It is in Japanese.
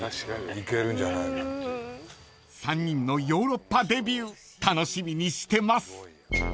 ［３人のヨーロッパデビュー楽しみにしてます］